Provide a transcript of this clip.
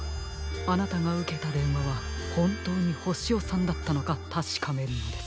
あなたがうけたでんわはほんとうにホシヨさんだったのかたしかめるのです。